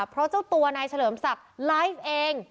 เพราะเจ้าตัวนายเฉลิมศักดิ์ไลฟ์เอง